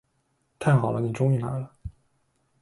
太好了，你终于来了。